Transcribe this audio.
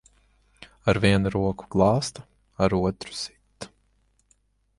Ar vienu roku glāsta, ar otru sit.